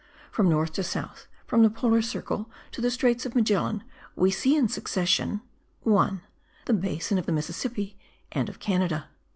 From north to south, from the polar circle to the Straits of Magellan, we see in succession: 1. THE BASIN OF THE MISSISSIPPI AND OF CANADA.